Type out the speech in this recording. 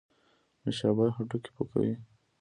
نوشابه هډوکي پوکوي